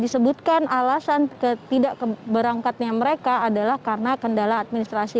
disebutkan alasan tidak berangkatnya mereka adalah karena kendala administrasi